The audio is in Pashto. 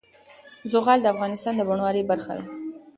زغال د افغانستان د بڼوالۍ برخه ده.